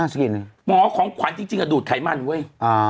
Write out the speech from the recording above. หมอของขวัญจริงดูดไขมันเว้ย